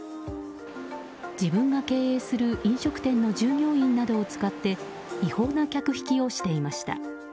自分が経営する飲食店の従業員などを使って違法な客引きをしていました。